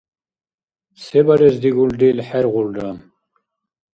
Се барес дигулрил хӀергъулра.